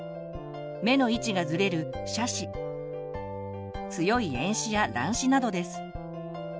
目の位置がずれる斜視強い遠視や乱視などです。